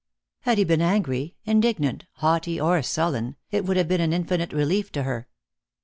Had he been angry, indignant, haughty, or sullen, it would have been an infinite relief to her.